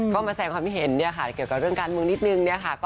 ก็มาแสงความไม่เห็นนะคะเกี่ยวกับเรื่องการบังนิดหนึ่ง